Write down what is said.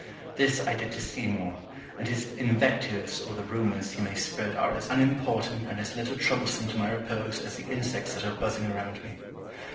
This I did to Seymour, and his invectives or the rumours he may spread are as unimportant and as little troublesome to my repose as the insects that are buzzing around me.